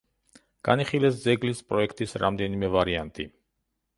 განიხილეს ძეგლის პროექტის რამდენიმე ვარიანტი.